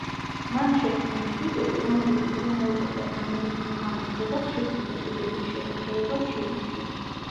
მან შექმნა ინსტიტუტი, რომელიც უზრუნველყოფდა სამედიცინო განათლებას შიდსის ეპიდემიის შესაჩერებლად ჩინეთში.